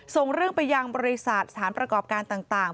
ส่งเรื่องไปยังบริษัทสถานประกอบการต่าง